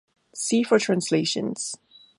See for translations.